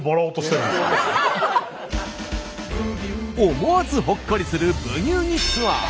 思わずほっこりする「ブギウギ」ツアー。